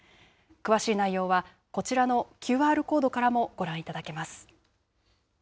詳しい内容はこちらのＱＲコードからもご覧いただけます。